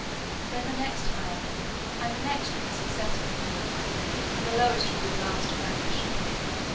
Then the next higher, and the next would be successively filled, and the lowest would be the last to vanish.